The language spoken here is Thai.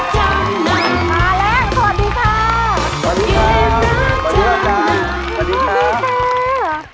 สวัสดีค่ะสวัสดีค่ะสวัสดีค่ะสวัสดีค่ะสวัสดีค่ะสวัสดีค่ะ